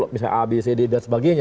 misalnya a b c d dan sebagainya